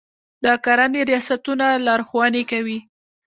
د کرنې ریاستونه لارښوونې کوي.